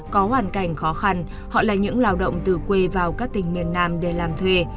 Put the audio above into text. có hoàn cảnh khó khăn họ là những lao động từ quê vào các tỉnh miền nam để làm thuê